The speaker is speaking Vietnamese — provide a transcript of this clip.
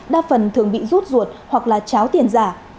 đa phần thường bị rút ruột hoặc là cháo tiền giả